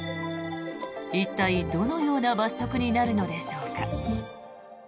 一体、どのような罰則になるのでしょうか。